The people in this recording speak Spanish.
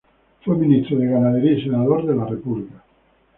Fue Ministro de Ganadería y senador de la República.